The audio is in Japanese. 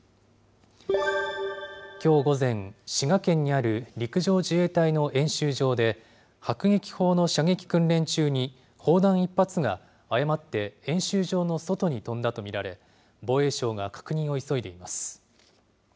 きょう午前、滋賀県にある陸上自衛隊の演習場で、迫撃砲の射撃訓練中に砲弾１発が誤って演習場の外に飛んだと見られ、防衛省が確認を急いでいます。